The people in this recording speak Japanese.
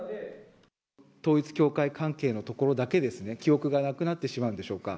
統一教会関係のところだけですね、記憶がなくなってしまうんでしょうか。